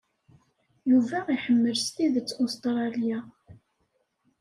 Yuba iḥemmel s tidet Ustṛalya.